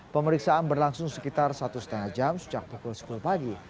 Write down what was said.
pemeriksaan berlangsung sekitar satu lima jam sejak pukul sepuluh pagi